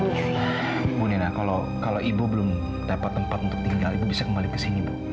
ibu nena kalau ibu belum dapat tempat untuk tinggal ibu bisa kembali ke sini ibu